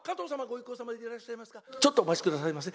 「ちょっとお待ちくださいませ。